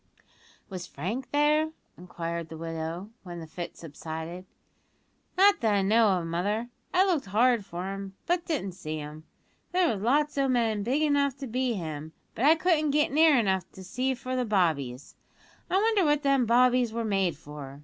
"Was Frank there?" inquired the widow, when the fit subsided. "Not that I know of, mother; I looked hard for him, but didn't see him. There was lots o' men big enough to be him; but I couldn't get near enough to see for the bobbies. I wonder what them bobbies were made for!"